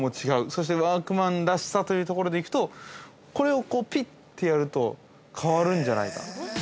そして、ワークマンらしさというところでいくと、こう、ピッてやると、変わるんじゃないか。